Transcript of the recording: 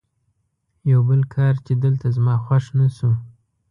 یو بل کار چې دلته زما خوښ نه شو.